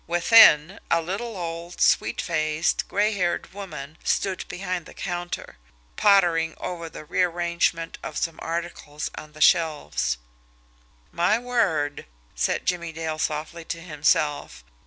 Within, a little, old, sweet faced, gray haired woman stood behind the counter, pottering over the rearrangement of some articles on the shelves. "My word!" said Jimmie Dale softly to himself.